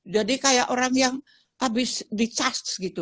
jadi kayak orang yang abis di charge gitu